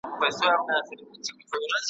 د ګوند په استازيتوب د پارلمان استازی شو.